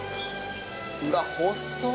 うわ細っ！